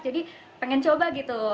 jadi pengen coba gitu